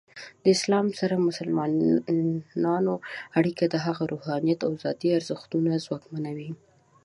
د اسلام سره د مسلمانانو اړیکه د هغوی روحانیت او ذاتی ارزښتونه ځواکمنوي.